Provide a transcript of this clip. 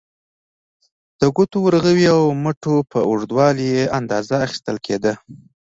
د ګوتو، ورغوي او مټو په اوږدوالي یې اندازه اخیستل کېده.